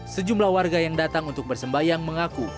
sejumlah warga yang datang untuk bersembayang mengaku